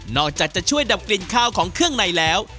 อกจากจะช่วยดับกลิ่นข้าวของเครื่องในแล้ว